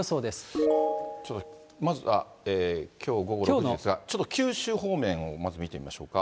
まずはきょう午後６時ですが、ちょっと九州方面をまず見てみましょうか。